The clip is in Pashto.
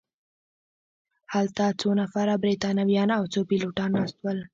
هلته څو نفره بریتانویان او څو پیلوټان ناست ول.